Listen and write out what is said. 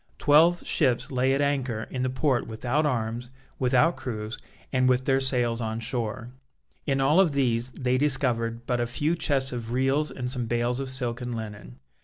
Twelve ships lay at anchor in the port without arms, without crews, and with their sails on shore. In all of these they discovered but a few chests of reals and some bales of silk and linen.